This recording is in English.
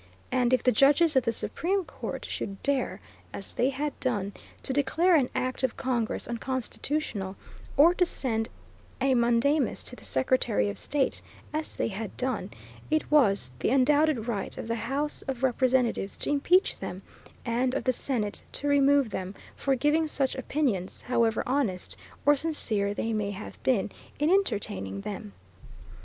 And if the judges of the Supreme Court should dare, as they had done, to declare an act of Congress unconstitutional, or to send a mandamus to the Secretary of State, as they had done, it was the undoubted right of the: House of Representatives to impeach them, and of the Senate to remove them, for giving such opinions, however honest or sincere they may have been in entertaining them.